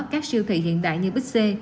các siêu thị hiện đại như bích xê